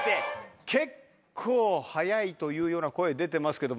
結構早いというような声出てますけども。